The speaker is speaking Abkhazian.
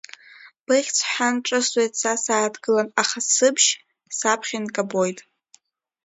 Быхьӡ ҳәан ҿысҭуеит са сааҭгылан, аха сыбжь саԥхьа инкабоит.